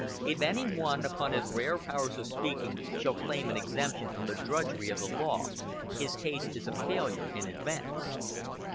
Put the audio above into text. If any one, upon his rare powers of speaking, shall claim an exemption from the drudgery of the law, his case is a failure in advance."